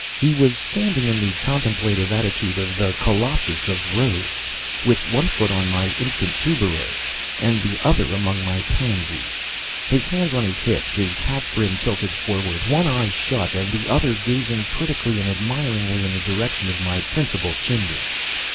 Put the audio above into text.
He was standing in the contemplative attitude of the Colossus of Rhodes, with one foot on my infant tuberose, and the other among my pansies, his hands on his hips, his hat brim tilted forward, one eye shut and the other gazing critically and admiringly in the direction of my principal chimney.